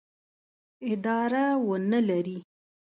اداره ونه لري.